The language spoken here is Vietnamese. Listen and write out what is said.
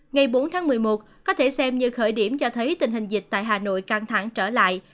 ngày bốn tháng một mươi một có thể xem như khởi điểm cho thấy tình hình dịch tại hà nội căng thẳng trở lại